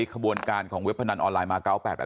ขบวนการของเว็บพนันออนไลน์มา๙๘๘